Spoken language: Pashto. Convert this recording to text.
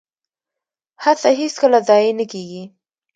هڅه هیڅکله ضایع نه کیږي